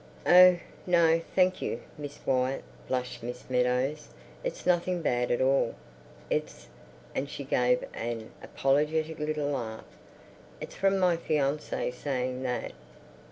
"Oh, no, thank you, Miss Wyatt," blushed Miss Meadows. "It's nothing bad at all. It's"—and she gave an apologetic little laugh—"it's from my fiancé saying that...